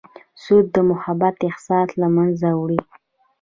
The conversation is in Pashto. سود د محبت احساس له منځه وړي.